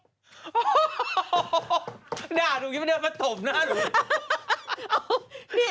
โอ้โหด่าหนูยังไม่เดินมาตบหน้าหนู